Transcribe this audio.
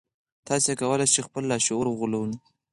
تاسې کولای شئ خپل لاشعور وغولوئ